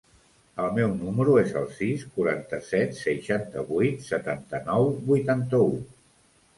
El meu número es el sis, quaranta-set, seixanta-vuit, setanta-nou, vuitanta-u.